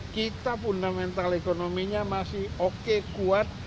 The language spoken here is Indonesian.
kita fundamental ekonominya masih oke kuat